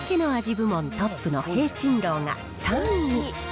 部門トップの聘珍樓が３位。